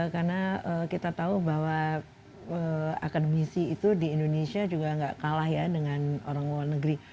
karena kita tahu bahwa akademisi itu di indonesia juga tidak kalah dengan orang luar negeri